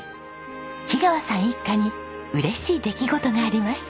木川さん一家に嬉しい出来事がありました。